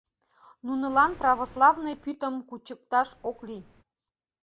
Нунылан православный пӱтым кучыкташ ок лий.